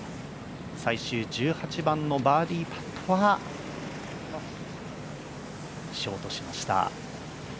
最終１８番のバーディーパットはショートしました。